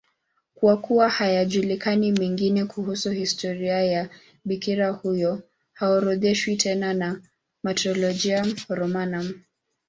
Kwa kuwa hayajulikani mengine kuhusu historia ya bikira huyo, haorodheshwi tena na Martyrologium Romanum.